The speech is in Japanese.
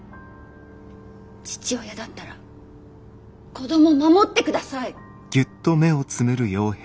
父親だったら子供守ってください。